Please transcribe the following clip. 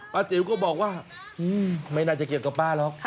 จิ๋วก็บอกว่าไม่น่าจะเกี่ยวกับป้าหรอก